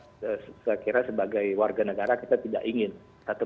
politik itu sangat penting gitu jadi kita sekiranya sebagai warga negara kita tidak ingin satu